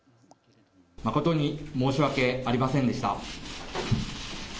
誠に申し訳ありませんでした。